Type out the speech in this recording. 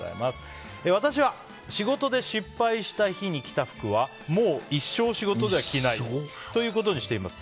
私は仕事で失敗した日に着た服はもう、一生仕事では着ないということにしています。